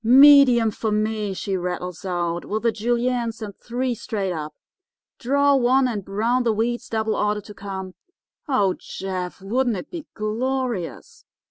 "'Medium for me,' she rattles out, 'with the Juliennes, and three, straight up. Draw one, and brown the wheats, double order to come. Oh, Jeff, wouldn't it be glorious!